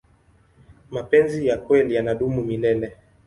mapenzi ya kweli yanadumu milele